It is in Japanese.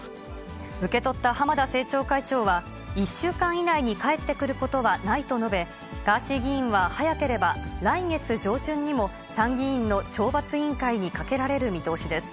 受け取った浜田政調会長は、１週間以内に帰ってくることはないと述べ、ガーシー議員は早ければ来月上旬にも、参議院の懲罰委員会にかけられる見通しです。